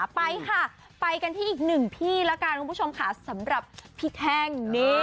ไปกันที่อีกหนึ่งพี่สำหรับพี่แทง